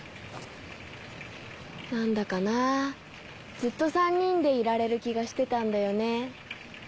何だかなぁずっと３人でいられる気がしてたんだよね。